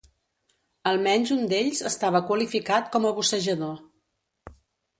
Almenys un d'ells estava qualificat com a bussejador.